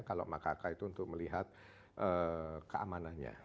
kalau makaka itu untuk melihat keamanannya